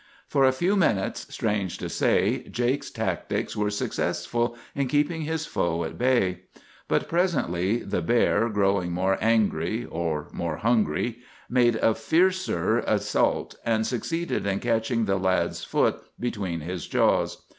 For a few minutes, strange to say, Jake's tactics were successful in keeping his foe at bay; but presently the bear, growing more angry, or more hungry, made a fiercer assault, and, succeeded in catching the lad's foot between his jaws.